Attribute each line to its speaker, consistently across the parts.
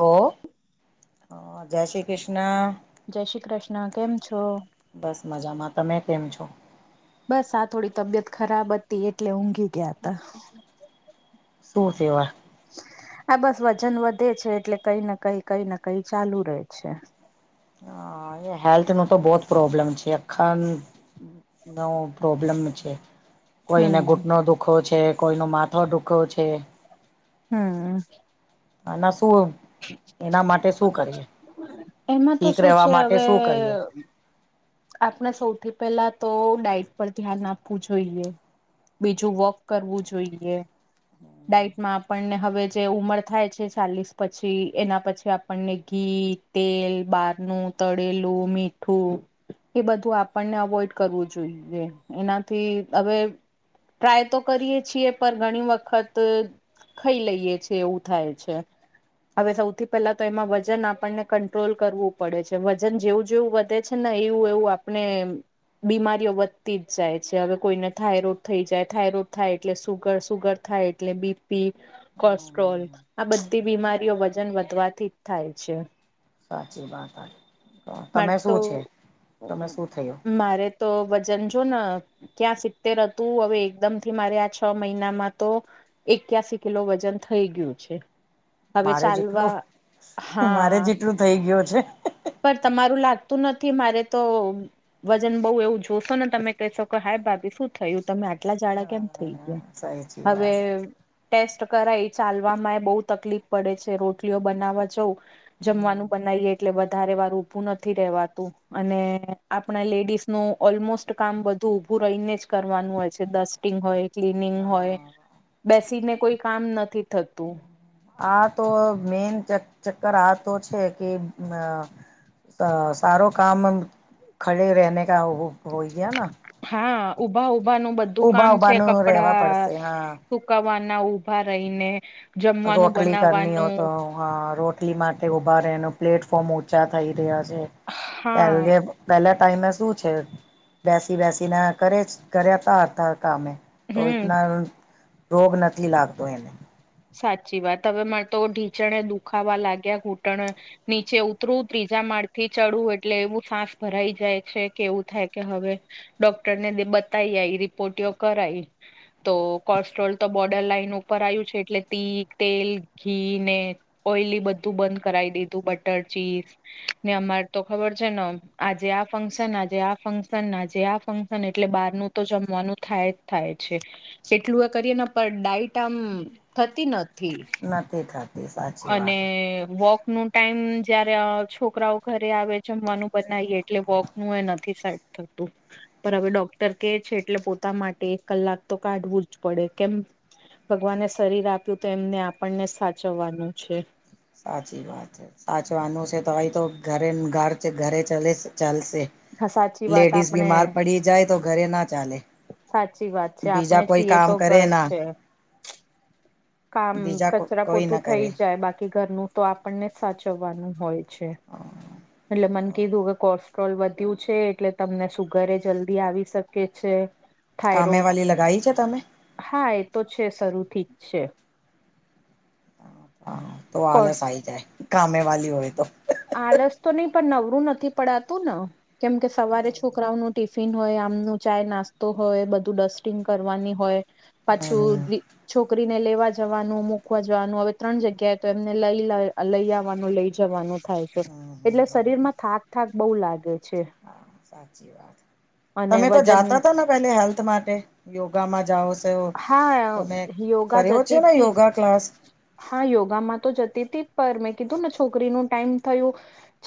Speaker 1: હો હા જય શ્રી કૃષ્ણ.
Speaker 2: જય શ્રી કૃષ્ણ. કેમ છો?
Speaker 1: બસ મજામાં. તમે કેમ છો?
Speaker 2: બસ આ થોડી તબિયત ખરાબ હતી એટલે ઊંઘી ગયા હતા.
Speaker 1: શું સેવા?
Speaker 2: આ બસ વજન વધે છે એટલે કઈ ને કઈ કઈ ને કઈ ચાલુ રહે છે.
Speaker 1: હા એ હેલ્થનો તો બોહોત પ્રોબ્લેમ છે અખાન નો પ્રોબ્લેમ છે. કોઈને
Speaker 2: હમ
Speaker 1: ગૂટનો દુખો છે કોઈનો માથો દુખો છે.
Speaker 2: હમ્મ.
Speaker 1: આના શું એના માટે શું કરીએ.
Speaker 2: એમાં તો
Speaker 1: ઠીક
Speaker 2: શું
Speaker 1: રહેવા
Speaker 2: છે
Speaker 1: માટે
Speaker 2: હવે
Speaker 1: શું કરીએ.
Speaker 2: આપણે સૌથી પહેલા તો ડઇટ પર ધ્યાન આપવું જોઈએ. બીજું વોક કરવું જોઈએ. ડઇટમાં આપણને હવે જે ઉમર થાય છે ચાલીસ પછી એના પછી આપણને ઘી તેલ બારનું તળેલું મીઠું એ બધું આપણને અવોઈડ કરવું જોઈએ એનાથી હવે ટ્રાય તો કરીએ છીએ, પણ ઘણી વખત તો ખાઈ લઈએ છે એવું થાય છે. હવે સૌથી તો એમાં વજન આપણને કંટ્રોલ કરવું પડે છે. વજન જેવું જેવું વધે છે ને એવું એવું આપણે બીમારીઓ વધતી જ જાય છે. હવે કોઈને થાઈરોડ થઈ જાય થાઈરોડ થાય એટલે સુગર સુગર થાય એટ એટલે બીપી કોલેસ્ટ્રોલ આ બધી બીમારીઓ વજન વધવાથી જ થાય છે.
Speaker 1: સાચી વાત આ તો, તમે
Speaker 2: મારે તો
Speaker 1: શું છે? તમે શું થયું?
Speaker 2: મારે તો વજન જોન ક્યાં સિત્તેર હતું હવે એકદમથી મારે આ છ મહિનામાં તો એકીયાશી કિલો વજન થય ગયું છે. હવે
Speaker 1: મારે જેટલું
Speaker 2: ચાલવા
Speaker 1: મારે
Speaker 2: હા
Speaker 1: જેટલું થઈ ગયું છે
Speaker 2: પર તમારું લાગતું નથી, મારે તો વજન બઉ એવું થયુંસન તમે કેશો ક હાય ભાભી શું થયું તમે આટલા જાડા કેમ થઈ ગયા
Speaker 1: હા સાચી
Speaker 2: હવે
Speaker 1: વાત
Speaker 2: ટેસ્ટ કરાય ચાલવામાંય બહુ તકલીફ પડે છે રોટલીઓ બનાવવા જવું.
Speaker 1: સાચી
Speaker 2: જમવાનું બનાવીએે એટલે બ વધારે વાર ઉભું નથી રવાતું અને આપણા લેડીસનું ઓલમોસ્ટ કામ બધું ઊભું રહીને જ કરવાનું હોય છે. ડસ્ટિંગ હોય, ક્લીનિંગ હોય
Speaker 1: હ
Speaker 2: બેસીને કોઈ કામ નથી થતું.
Speaker 1: આ તો મેન ચક્કર આ તો છે કે તો સારો કામ ખડે રહેને કા હોયયા ન
Speaker 2: હા ઊભા ઊભા નું બધું કામ
Speaker 1: ઉભા
Speaker 2: છે
Speaker 1: ઉભાનું રહેવા
Speaker 2: કપડા
Speaker 1: પડશે હા
Speaker 2: સુકાવાના ઉભા રહીને જમવાનું
Speaker 1: રોટલી કરની ઓ
Speaker 2: બનાવવાનું
Speaker 1: તો હા રોટલી માટે ઉભા રહેે એનું પ્લેટફોર્મ ચા થઈ રહ્યા છે
Speaker 2: હા
Speaker 1: પહે પહેલા ટાઈમે શું છે બેસી બેસીને કરેજ કર્યા હતા હતા કામે તો
Speaker 2: હમ
Speaker 1: ઇતના રોગ નથી લાગતો એને
Speaker 2: સાચી વાત હવે મને તો ઢીચણે દુખાવા લાગ્યા ઘૂંટણ નીચે ઉતરુ ત્રીજા માળ થી ચડું એટલે એવું સાસ ભરાઈ જાય છે કે, એવું થાય કે હવે ડોક્ટરને બતાવી આઈ રિપોર્ટઓ કરાઈ તો કોસ્ટ્રોલ તો બોર્ડર લાઈન ઉપર આવ્યું છે. એટલે તી તેલ, ઘી ને ઓઈલ બધું બંધ કરાવી દીધું બટર, ચીઝ ને અમારે તો ખબર છે ને, આજે આ ફંક્શન આજે આ ફક્શન આજે આ ફંક્શન એટલે બારનું તો જમવાનું થાય જ થાય છે જેટલું એ કરીએ ને પણ ડાઇટ આમ થતી નથી.
Speaker 1: નાથ દેખા
Speaker 2: અને વોકનું ટાઈમ જયારે છોકરાઓ ઘરે આવે જમવાનું બનાવીએ એટલે વોક નું એ નથી સેટ થતું. પણ હવે ડોક્ટર કેછે એટલે પોતા માટે એક કલાક તો કાઢવું જ પડે કેમ ભગવાને શરીર આપ્યું તો એમને આપણે સાચવવાનું છે
Speaker 1: સાચી વાત છે સાચવાનું છે તો ભાઈ તો ઘરે ઘર ઘરે ચ ચાલશે.
Speaker 2: હા સાચી વાત
Speaker 1: લેડીિઝ
Speaker 2: આપણે
Speaker 1: બીમાર પડી જાય તો ઘરે ના ચાલે
Speaker 2: સાચી વાત છે
Speaker 1: બીજા
Speaker 2: આપણે
Speaker 1: કોઈ
Speaker 2: છીએ, તો
Speaker 1: કામ કરે
Speaker 2: ઘર
Speaker 1: ના
Speaker 2: છે. કામ
Speaker 1: બીજા
Speaker 2: કચરા
Speaker 1: કોઈ ના
Speaker 2: પોતું
Speaker 1: કરે
Speaker 2: થઈ જાય બાકી ઘરનું તો આપણને જ સાચવવાનું હોય છે.
Speaker 1: હા.
Speaker 2: એટલે મન કીધું કે કોર્સ ટ્રોલ વધ્યું છે એટલે તમને સુગરે જલ્દી આવી શકે છે.
Speaker 1: કામે
Speaker 2: થાયરોડ
Speaker 1: વાલી લગાઈ છે તમે?
Speaker 2: હા એ તો છે શરૂથી જ છે.
Speaker 1: હા તો આલસ
Speaker 2: કોર્સ
Speaker 1: આઈ જાય કામે વાલી હોય તો.
Speaker 2: આળસ તો નઈ પણ નવરું નથી પડાતું ને. કેમકે સવારે છોકરાઓનું ટિફિન હોય આમનું ચાય નાસ્તો હોય બધું ડસ્ટિંગ કરવાની હોય.
Speaker 1: હમ હમ
Speaker 2: પાછું છોકરીને લેવા જવાનું મૂકવા જવાનું હવે ત્રણ જગ્યાએ તો એમને લઈ લઈ આવવાનું લઈ જવાનું થાય છે એટલે શરીરમાં થાક થાક બહુ લાગે. છે
Speaker 1: હા સાચી વાત.
Speaker 2: અને
Speaker 1: તમે તો
Speaker 2: વજન
Speaker 1: જાતા હતા ને પેલે હેલ્થ માટે યોગામાં જાઓ છો.
Speaker 2: હા
Speaker 1: તમે
Speaker 2: યોગા
Speaker 1: કર્યો છે
Speaker 2: જતી
Speaker 1: ને
Speaker 2: હતી
Speaker 1: યોગા ક્લાસ.
Speaker 2: હા યોગામાં તો જતી હતી જ પણ મેં કીધું ને છોકરીનું ટાઈમ થયું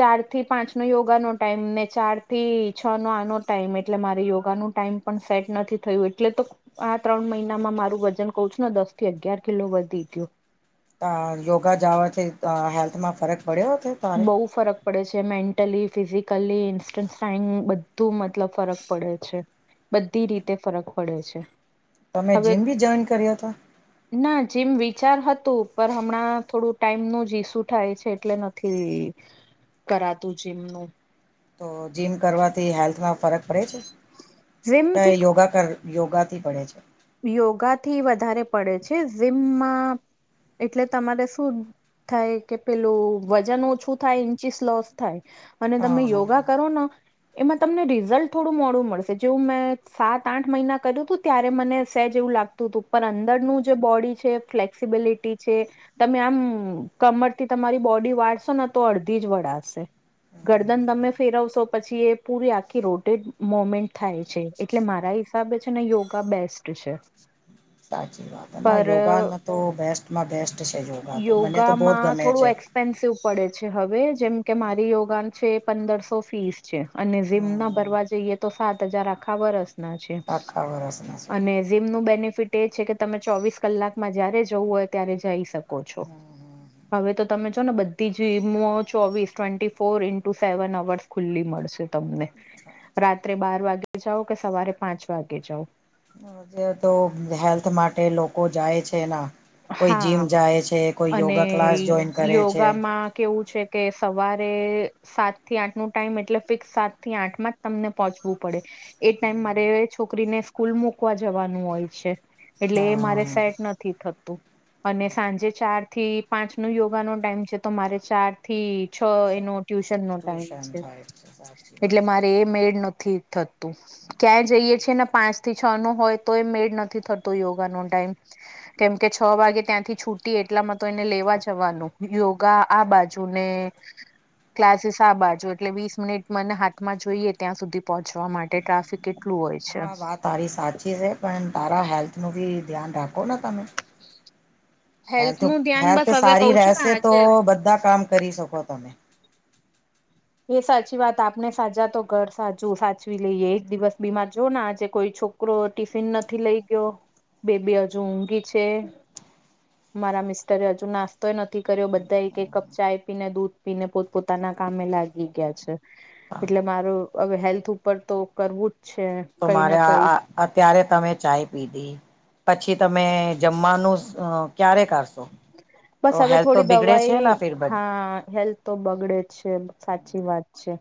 Speaker 2: ચાર થી પાંચ નો યોગાનો ટાઈમ ને ચાર થી છ નો આનો ટાઈમ એટલે મારે ટાઈમ પણ સેટ નથી થયું એટલે તો આ ત્રણ મહિનામાં મારું વજન કઉ છું ને દસ થી અગિયાર કિલો વધી ગયું.
Speaker 1: ત યોગા જાવાથી હેલ્થમાં ફરક પડ્યો હતો. તારે
Speaker 2: બવ ફરક પડે છે મેન્ટલી ફિઝિકલી ઇન્સ્ટન્ટ [unintelligible] બધું મતલબ ફરક પડે છે. બધી રીતે ફરક પડે છે.
Speaker 1: તમે
Speaker 2: હવે
Speaker 1: જીમ બી જોઈન કર્યા હતો.
Speaker 2: ના જેમ વિચાર હતું પર હમણાં થોડું ટાઈમનું જ ઈસુ થાય છે એટલે ન થી કરાતું જીમનું.
Speaker 1: તો જીમ કરવાથી હેલ્થમાં ફરક પડે છે કે
Speaker 2: જીમથી
Speaker 1: યોગા કર યોગાથી પડે છે.
Speaker 2: યોગા થી વધારે પડે છે જીમ માં એટલે તમારે શું થાય કે પેલું વજન ઓછું થાય ઇન્ચીસ લોસ થાય. અને તમે
Speaker 1: હા હા
Speaker 2: યોગા
Speaker 1: હા.
Speaker 2: કરો ને. એમાં તમને રિઝલ્ટ થોડું મોડું મળશે જેવું મેં સાત આઠ મહિના કર્યું હતું ત્યારે મને સેજ એવું લાગતું હતું પણ અંદરનું જે બોડી છે ફ્લેક્સિબિલિટી છે. તમે આમ કમરથી તમારી બોડી વાળશો ને તો અડધી જ વળાસે. ગરદન તમે ફેરવશો પછી એ પૂરી આખી રોટેડ મોમેન્ટ થાય છે. એટલે મારા હિસાબે છે ને યોગા બેસ્ટ છે.
Speaker 1: સાચી વાત ના
Speaker 2: પર
Speaker 1: યોગા તો બેસ્ટમાં બેસ્ટ છે યોગા તો મને તો બહુ જ ગમે છે.
Speaker 2: એક્પેન્સિવ પડે છે હવે જેમ કે મારી યોગાન છે પંદરસો ફીસ. છે અને જીમ ના
Speaker 1: હમ
Speaker 2: ભરવા જઈએ તો સાત હજાર આખા વરસના છે.
Speaker 1: આખા વરસના છે
Speaker 2: અને જીમનું બેનિફિટ એ છે કે તમે ચોવીસ કલાકમાં જયારે જવું હોય ત્યારે જઈ શકો છો હવે તો તમે જો ને બધી જીમો ચોવીસ twenty four into seven hours ખુલ્લી મળશે. તમને રાત્રે બાર વાગે જાઓ કે સવારે પાંચ વાગે જાઓ.
Speaker 1: જે તો હેલ્થ માટે લોકો જાય છે એના. કોઈ જીમ
Speaker 2: હા
Speaker 1: જાય છે કોઈ યોગા ક્લાસ જોઈન કરે છે.
Speaker 2: આ કેવું છે. કે સવારે સાત થી આઠ નું ટાઈમ એટલે ફિક્સ સાત થી આઠ માં જ તમને પહોંચવું પડે. એ ટાઈમ મારે છોકરીને સ્કૂલ મુકવા જવાનું હોય છે. એટલે એ મારે
Speaker 1: હા.
Speaker 2: સેટ નથી થતું અને સાંજે ચાર થી પાંચ નો યોગાનો ટાઈમ છે તો મારે ચાર થી છ એનો ટ્યુશન નો ટાઈમ
Speaker 1: ટ્યુશન
Speaker 2: છે.
Speaker 1: થાય છે સાચી
Speaker 2: એટલે
Speaker 1: વાત
Speaker 2: મારે
Speaker 1: સાચી
Speaker 2: એ મેડ નથી થ તું ત્યાં જઈએ છે ને પાંચ થી છ નો હોય તોય મેડ નથી થતો યોગાનો ટાઈમ.
Speaker 1: [inaudible]
Speaker 2: કેમ કે છ વાગે ત્યાંથી છૂટીએ એટલામાં તો એને લેવા જવાનું યોગા આ બાજુને ક્લાસીસ આ બાજુ એટલે વીસ મિનિટ મને હાથમાં જોઈએ ત્યાં સુધી પહોંચવા માટે ટ્રાફિક કેટલું હોય છે.
Speaker 1: હા વાત તારી સાચી છે પણ તારા હેલ્થનું બી ધ્યાન રાખો ને તમે. હેલ્થ
Speaker 2: નું ધ્યાન
Speaker 1: હેલ્થ
Speaker 2: બસ હવે કઉ
Speaker 1: સારી
Speaker 2: છું ને
Speaker 1: રહેશે તો
Speaker 2: આજે
Speaker 1: બધા કામ કરી શકો. તમે
Speaker 2: એ સાચી વાત આપને સાજા તો ઘર સાજું સાચવી લઈએ એક દિવસ બીમાર જો ને આજે કોઈ છો કરો ટિફિન નથી લઇ ગયો બેબી હજુ ઊઘી છે.
Speaker 1: [inaudible]
Speaker 2: મારા મિસ્ટરે હજુ નાસ્તોય નથી કર્યો બધા એક એક કપ ચાય પીને દૂધ પીને પોત પોતાના કામે લા ગી ગયા છે એટલે મારું હવે હેલ્થ ઉપર તો કરવું જ છે.
Speaker 1: તો
Speaker 2: કઈ
Speaker 1: મારે
Speaker 2: ના
Speaker 1: આ
Speaker 2: કઈ
Speaker 1: આ અત્યારે તમે ચાય પીધી. પછી તમે જમવાનું અ ક્યારે કારશો?
Speaker 2: બસ હવે થોડી દવાઈ
Speaker 1: ફિર બધ
Speaker 2: હા હેલ્થ તો બગડે જ છે સાચી વાત છે.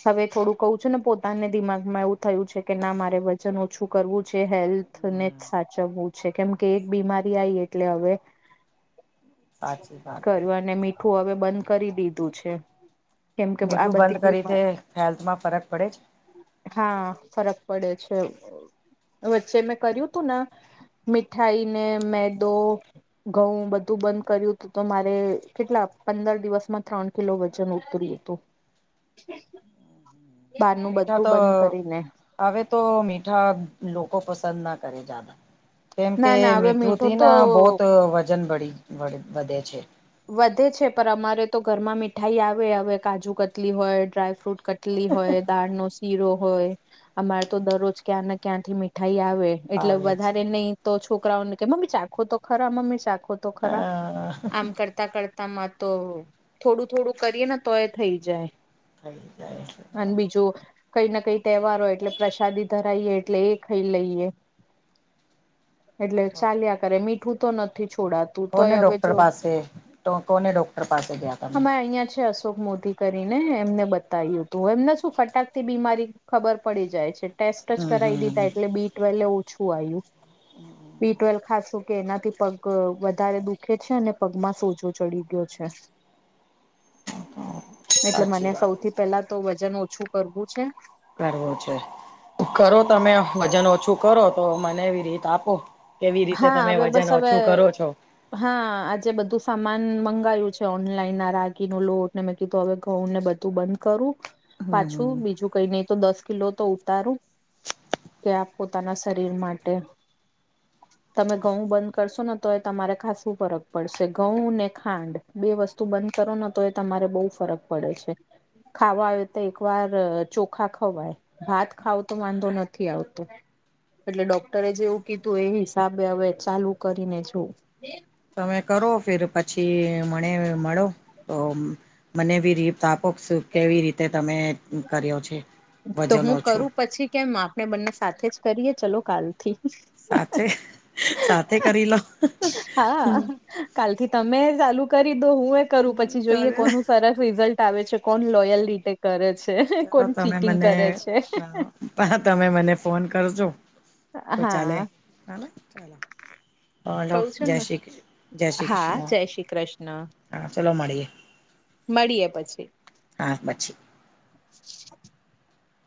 Speaker 2: હવે થોડું કહું છું ને પોતાને દિમાગમાં એવું થયું છે કે ના મારે વજન ઓછું કરવું છે હેલ્થ ને
Speaker 1: હમ
Speaker 2: જ સાચવવું છે કેમ કે એક બીમારી આવી એટલે હવે
Speaker 1: સાચી વાત છે
Speaker 2: કર્યું અને મીઠું હવે બંધ કરી દીધું છે. કેમ કે આ
Speaker 1: મીઠું
Speaker 2: બધી
Speaker 1: બંધ કરી
Speaker 2: બીમા
Speaker 1: તે હેલ્થમાં ફરક પડે છે.
Speaker 2: હા ફરક પડે છે વચ્ચે મેં કર્યું તું ને. મીઠાઈ ને મેદો ઘઉં બ ધુ બંધ કર્યું હતું તો મારે કેટલા પંદર દિવસમાં ત્રણ કિલો વજન ઉતર્યું હતું.
Speaker 1: [inaudible]
Speaker 2: બારનું
Speaker 1: મીઠા
Speaker 2: બધું
Speaker 1: તો
Speaker 2: બંધ કરીને
Speaker 1: હવે તો મીઠા લોકો પસંદ ના કરે જાદા. કેમ કે
Speaker 2: ના ના હવે
Speaker 1: મીઠું
Speaker 2: મીઠો
Speaker 1: થી
Speaker 2: તો
Speaker 1: ના બહુંત વજન બઢી બઢે વધે છે.
Speaker 2: વધે છે પણ અમારે તો ઘરમાં મીઠાઈ આવે હવે કાજુ કટલી હોય ડ્રાયફ્રૂટ ક ટલી હોય દાળ નો શીરો હોય અમારે તો દરરોજ ક્યાંને ક્યાંથી મીઠાઈ આવે. એટલે
Speaker 1: આવે છે
Speaker 2: વધારે નહી તો છોકરાઓને કે મમ્મી ચાખો તો ખરા મમ્મી ચાખો તો ખરા
Speaker 1: આ
Speaker 2: આમ કર તા કરતામાં તો થોડું થોડું કરીએ ને તોય થઈ જાય.
Speaker 1: થઈ જાય છે.
Speaker 2: અન બીજું. કઈ ના કઈ તહેવાર હોય એટલે પ્રસાદી ધરાઈએ એટલે એ ખઈ લઈએ. એટલે ચાલ્યા કરે મીઠું તો નથી છોડા
Speaker 1: કોને ડોક્ટર પાસે તો કોને ડોક્ટર પાસે ગયા? તમે?
Speaker 2: અમારે અહિયાં છે અશોક મોદી. કરીને એમને બતાવ્યું હતું તો એમને શું ફટાકથી બીમારી ખબર પડી જાય છે. ટેસ્ટ જ
Speaker 1: હમ
Speaker 2: કરાવી દીધા
Speaker 1: હમ.
Speaker 2: એટલે બી ટ્વેલેય ઓછું આયું બી ટ્વેલ ખાસું. કે એનાથી પગ વધારે દુખે છે અને પગમાં સોજો ચડી ગયો છે. એટલે
Speaker 1: સાચી
Speaker 2: મને
Speaker 1: વાત
Speaker 2: સૌથી પેલા તો વજન ઓછું કરવું છે.
Speaker 1: કરવો છો કરો તમે વજન ઓછું કરો તો મને એવી રીત આપો. કેવી રીતે
Speaker 2: હા
Speaker 1: તમે
Speaker 2: હવે
Speaker 1: વજન
Speaker 2: બસ હવે
Speaker 1: ઓછું કરો છો.
Speaker 2: હા આજે બધું સામાન મંગાવું છે ઓનલાઈન આ રાગી ન લોટને મેં કીધું હવે ઘઉં ને બધ તો બંધ કરું
Speaker 1: હમ
Speaker 2: પાછું
Speaker 1: હમ
Speaker 2: બીજું કઈ નઈ તો દસ કિલોતો ઉતારો કે આપ પોતાના શરીર માટે. તમે ઘઉં બંધ કરશો ને તો એ તમારે ખાસું ફરક પડશે ઘઉં ને ખાંડ. બે વસ્તુ બંધ કરો ને તો એ તમારે બઉ ફરક પડે છે. ખાવા આવે ત એક વાર ચોખા ખવાય ભાત ખાવો તો વાંધો નથી આવતો એટલે ડોક્ટરે જેવું કીધું એ સાબે હવે ચાલુ કરીને જો
Speaker 1: તમે કરો ફીર પછી મને મળો તો મને બી રીતપો કેવી રીતે તમે કર્યો છે.
Speaker 2: તો
Speaker 1: વજન
Speaker 2: હું
Speaker 1: ઓછું
Speaker 2: કરું પછી કેમ આપણે બંને સાથે જ ચલો કાલથી.
Speaker 1: સાથે સાથે કરી લો
Speaker 2: હા કાલથી તમે ચાલુ કરી દો હું એ કરું પછી જોઈએ
Speaker 1: ચાલે
Speaker 2: કોનું સરસ રિઝલ્ટ ટાવે છે કોણ લોયલ રીતે કરે છે
Speaker 1: ચલો
Speaker 2: કોણ
Speaker 1: તમે
Speaker 2: ચીટિંગ કરે
Speaker 1: મને
Speaker 2: છે
Speaker 1: પાહા તમે મને ફોન કરજો તો ચાલે
Speaker 2: હા
Speaker 1: હા ચાલો હ હલો
Speaker 2: કઉ
Speaker 1: જય
Speaker 2: છું ને
Speaker 1: શ્રી કૃ્ જય શ્રી
Speaker 2: હા
Speaker 1: કૃષ્ણ
Speaker 2: જય શ્રી કૃષ્ણ
Speaker 1: હા ચલો મળીએ.
Speaker 2: મળીએ પછી.
Speaker 1: હા પછી.
Speaker 2: [inaudible]